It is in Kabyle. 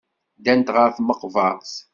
Ddant ɣer tmeqbert.